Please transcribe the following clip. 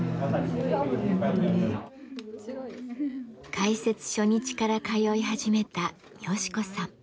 開設初日から通い始めたヨシ子さん。